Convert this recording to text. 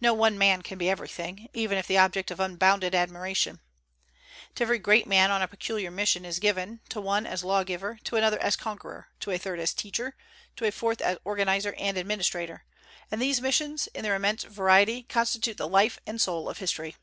No one man can be everything, even if the object of unbounded admiration. To every great man a peculiar mission is given, to one as lawgiver, to another as conqueror, to a third as teacher, to a fourth as organizer and administrator; and these missions, in their immense variety, constitute the life and soul of history.